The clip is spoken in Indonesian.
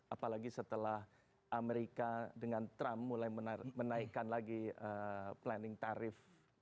apalagi setelah amerika dengan trump mulai menaikkan lagi planning tarif